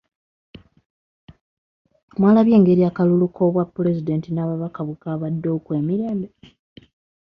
Mwalabye engeri akalulu k'obwapulezidenti n'ababaka bwekwabadde okw'emirembe!